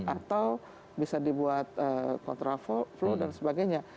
atau bisa dibuat kontraflux dan sebagainya